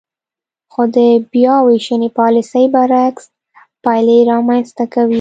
خو د بیاوېشنې پالیسۍ برعکس پایلې رامنځ ته کوي.